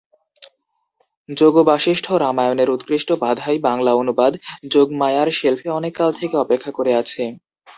যোগবাশিষ্ঠ রামায়ণের উৎকৃষ্ট বাঁধাই বাংলা অনুবাদ যোগমায়ার শেলফে অনেক কাল থেকে অপেক্ষা করে আছে।